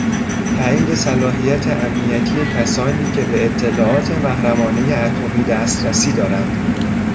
تایید صلاحیت امنیتی کسانی که به اطلاعات محرمانهی اتمی دسترسی دارند